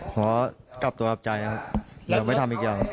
ขอกลับตัวกลับใจครับอยากไปทำอีกอย่าง